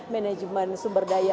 manajemen sumber daya